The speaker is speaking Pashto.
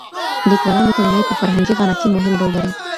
ليکوالان د ټولني په فرهنګي غنا کي مهم رول لري.